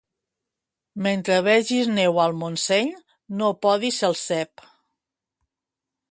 Mentre vegis neu al Montseny, no podis el cep.